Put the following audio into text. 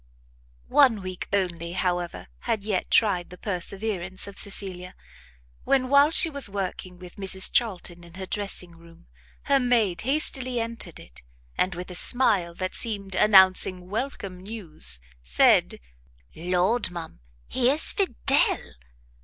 One week only, however, had yet tried the perseverance of Cecilia, when, while she was working with Mrs Charlton in her dressing room, her maid hastily entered it, and with a smile that seemed announcing welcome news, said, "Lord, ma'am, here's Fidel!"